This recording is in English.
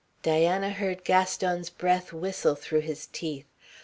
Diana heard Gaston's breath whistle through his teeth.